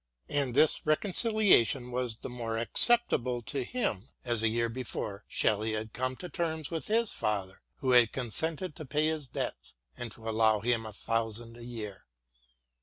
And this reconciliation was the more acceptable to him as a year before Shelley had come to terms with his father, who had consented to pay his debts and to allow him a thousand a year.